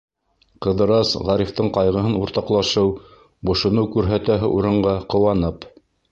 Ҡыҙырас, Ғарифтың ҡайғыһын уртаҡлашыу, бошоноу күрһәтәһе урынға, ҡыуанып: